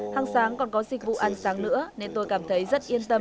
hàng sáng còn có dịch vụ ăn sáng nữa nên tôi cảm thấy rất yên tâm